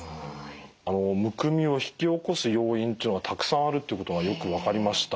あのむくみを引き起こす要因っていうのがたくさんあるということがよく分かりました。